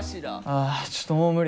あちょっともう無理。